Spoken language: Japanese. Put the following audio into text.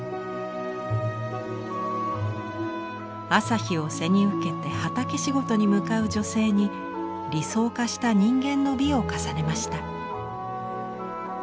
朝日を背に受けて畑仕事に向かう女性に理想化した人間の美を重ねました。